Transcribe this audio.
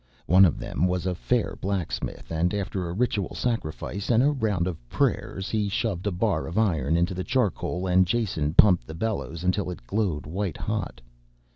One of them was a fair blacksmith and after a ritual sacrifice and a round of prayers he shoved a bar of iron into the charcoal and Jason pumped the bellows until it glowed white hot.